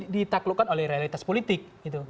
ditaklukkan oleh realitas politik